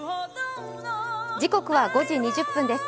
時刻は５時２０分です。